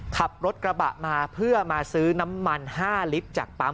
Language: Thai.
ขับรถกระบะมาเพื่อมาซื้อน้ำมัน๕ลิตรจากปั๊ม